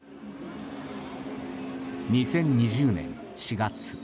２０２０年４月。